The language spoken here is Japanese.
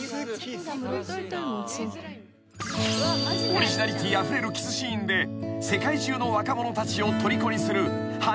［オリジナリティーあふれるキスシーンで世界中の若者たちをとりこにする］